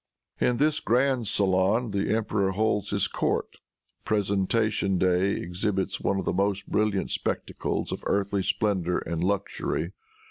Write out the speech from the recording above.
In this grand saloon the emperor holds his court. Presentation day exhibits one of the most brilliant spectacles of earthly splendor and luxury.